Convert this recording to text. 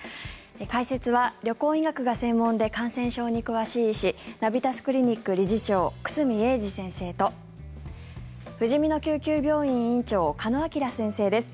解説は旅行医学が専門で感染症に詳しい医師ナビタスクリニック理事長久住英二先生とふじみの救急病院院長鹿野晃先生です。